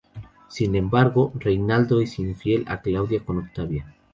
Sin embargo, Reynaldo es infiel a Claudia con Octavia.